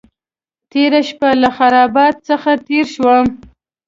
تېره شپه له خرابات څخه تېر شوم.